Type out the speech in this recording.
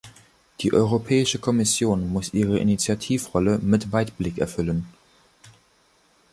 Die Europäische Kommission muss ihre Initiativrolle mit Weitblick erfüllen.